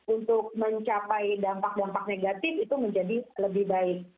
untuk mencapai dampak dampak negatif itu menjadi lebih baik